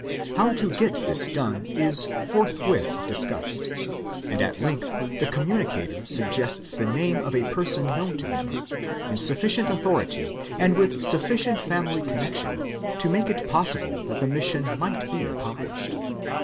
How to get this done is forthwith discussed ; and at length the communicator sug gests the name of a person known to him, in sufficient authority and with sufficient family connection to make it possible that the mission might be accomplished.